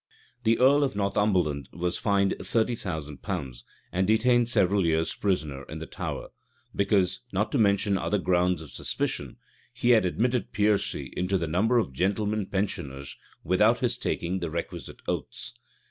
The earl of Northumberland was fined thirty thousand pounds, and detained several years prisoner in the Tower, because, not to mention other grounds of suspicion, he had admitted Piercy into the number of gentlemen pensioners without his taking the requisite oaths.